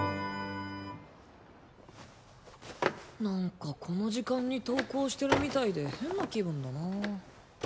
なんかこの時間に登校してるみたいで変な気分だなぁ。